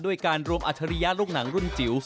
ด้วยการรวมอัจฉริยะลูกหนังรุ่นจิ๋ว